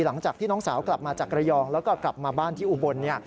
หลังจากที่น้องสาวกลับมาจากระยองแล้วก็กลับมาบ้านที่อุบล